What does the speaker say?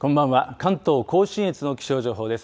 関東甲信越の気象情報です。